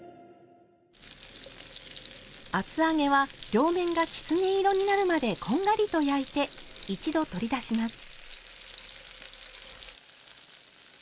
厚揚げは両面がきつね色になるまでこんがりと焼いて一度取り出します。